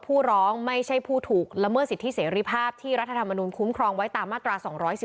ผู้ร้องไม่ใช่ผู้ถูกละเมิดสิทธิเสรีภาพที่รัฐธรรมนุนคุ้มครองไว้ตามมาตรา๒๑๒